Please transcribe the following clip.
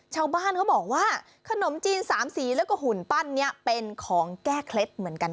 ชาวบ้านเขาบอกว่าขนมจีนสามสีแล้วก็หุ่นปั้นนี้เป็นของแก้เคล็ดเหมือนกัน